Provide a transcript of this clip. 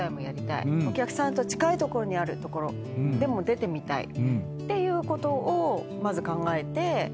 お客さんと近い所にある所でも出てみたいっていうことをまず考えて。